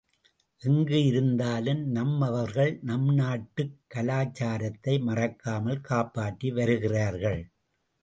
எங்கு இருந்தாலும் நம்மவர்கள் நம் நாட்டுக் கலாச்சாரத்தை மறக்காமல் காப்பாற்றி வருகிறார்கள்.